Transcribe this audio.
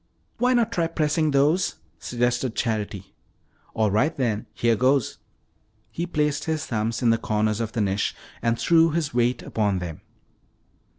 "Why not try pressing those?" suggested Charity. "All right, here goes." He placed his thumbs in the corners of the niche and threw his weight upon them.